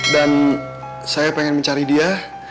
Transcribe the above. dan saya ingin mencari dia